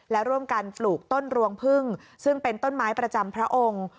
และร่วมกันปลูกต้นรวงพึ่งซึ่งเป็นต้นไม้ประจำพระองค์